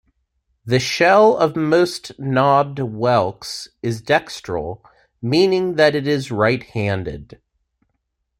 The shell of most knobbed whelks is dextral, meaning that it is right-handed.